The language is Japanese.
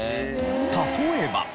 例えば。